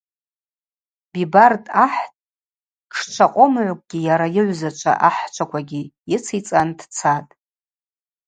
Бибард-ахӏ тшчва къомыгӏвкӏгьи йара йыгӏвзачва ахӏчваквагьи йыцицӏан дцатӏ.